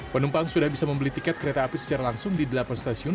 penumpang sudah bisa membeli tiket kereta api secara langsung di delapan stasiun